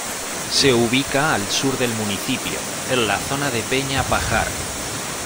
Se ubica al sur del municipio, en la zona de Peña Pajar.